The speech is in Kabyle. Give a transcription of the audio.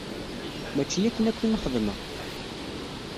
Mačči akken akk i m-xedmeɣ!